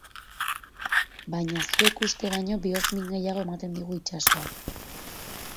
Baina zuek uste baino bihozmin gehiago ematen digu itsasoak.